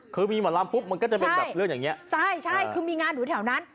เคยมีหมอลำปุ๊บมันก็จะเป็นแบบเรื่องอย่างเงี้ยใช่ใช่คือมีงานอยู่แถวนั้น